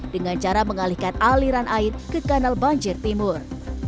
dengan cara mengalihkan aliran air ke kanal banjir timur